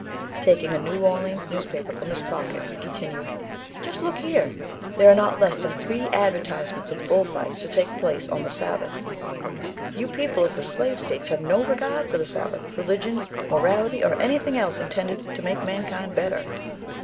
Taking a New Orleans newspaper from his pocket he continued, "Just look here, there are not less than three advertisements of bull fights to take place on the Sabbath. You people of the Slave States have no regard for the Sabbath, religion, morality or anything else intended to, make mankind better."